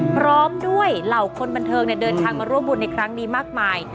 พร้อมด้วยเหล่าคนบันเทิงเดินทางมาร่วมบุญในครั้งนี้มากมาย